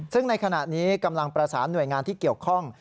ซึ่งในขณะนี้กำลังประสานหน่วยงานที่เกี่ยวข้อง